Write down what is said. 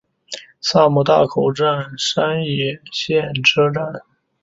萨摩大口站山野线车站。